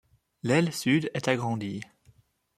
L'aile sud est agrandie.